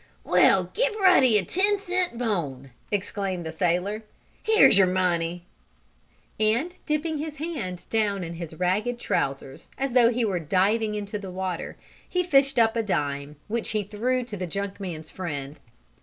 "Well, give Ruddy a ten cent bone!" exclaimed the sailor. "Here's your money," and, dipping his hand down in his ragged trousers, as though he were diving into the water, he fished up a dime, which he threw to the junk man's friend.